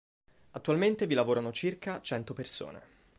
Attualmente vi lavorano circa cento persone.